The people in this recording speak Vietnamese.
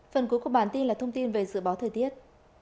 phần cuối của bản tin là thông tin về dự báo thời tiết